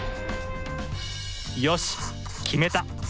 よし決めた。